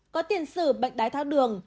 có tiền sử bệnh đái thác đường